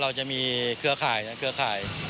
เราจะมีเครือคลาย